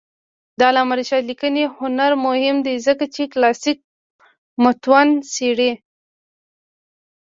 د علامه رشاد لیکنی هنر مهم دی ځکه چې کلاسیک متون څېړي.